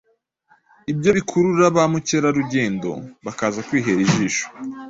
Ibyo bikurura ba mukerarugendo bakaza kwihera ijisho,